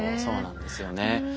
そうなんですよね。